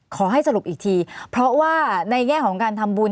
ขอให้สรุปอีกทีเพราะว่าในแง่ของการทำบุญ